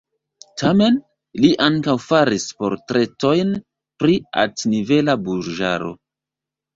Tamen, li ankaŭ faris portretojn pri la altnivela burĝaro.